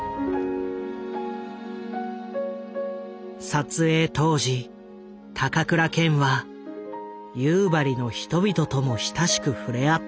撮影当時高倉健は夕張の人々とも親しく触れ合った。